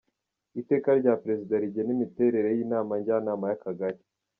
Iteka rya Perezida rigena imiterere y‟Inama Njyanama y‟Akagari ;